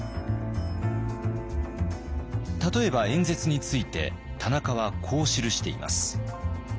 例えば演説について田中はこう記しています。